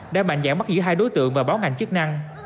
đã bạch giải mắt giữa hai đối tượng và báo ngành chức năng